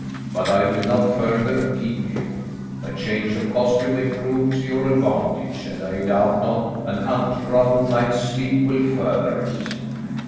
But I will not further keep you. A change of costume may prove to your advantage, and I doubt not an untroubled night's sleep will further it."